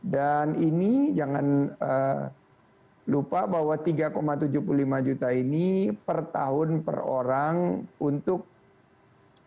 dan ini jangan lupa bahwa tiga tujuh puluh lima juta ini per tahun per orang untuk seluruh wilayah komodo